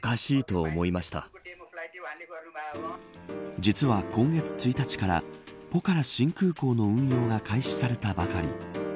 実は今月１日からポカラ新空港の運用が開始されたばかり。